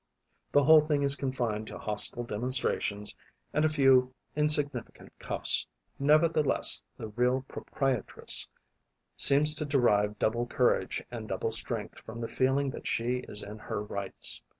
The whole thing is confined to hostile demonstrations and a few insignificant cuffs. Nevertheless, the real proprietress seems to derive double courage and double strength from the feeling that she is in her rights.